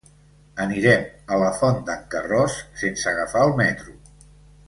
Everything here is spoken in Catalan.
Anirem a la Font d'en Carròs sense agafar el metro.